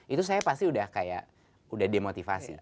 itu saya pasti udah kayak udah demotivasi